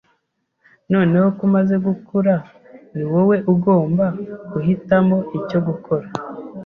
Noneho ko umaze gukura, ni wowe ugomba guhitamo icyo gukora.